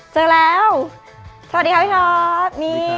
เจอแล้วสวัสดีคะพี่ทอฟ